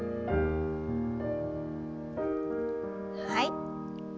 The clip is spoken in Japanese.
はい。